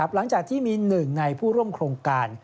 หลังจากที่มีหนึ่งในผู้ร่วมโครงการ